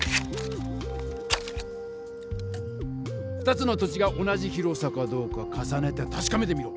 ２つの土地が同じ広さかどうか重ねてたしかめてみろ。